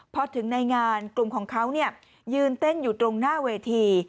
พอถึงในงานกลุ่มของเขายืนเต้นอยู่ตรงหน้าเวที